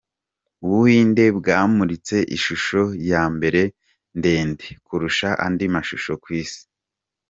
Ubuhinde bwamuritse ishusho ya mbere ndende kurusha andi mashusho ku isi.